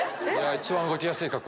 一番動きやすい格好。